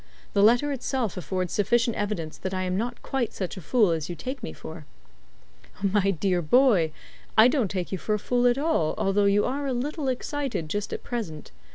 The letter itself affords sufficient evidence that I am not quite such a fool as you take me for." "My dear boy, I don't take you for a fool at all, although you are a little excited just at present.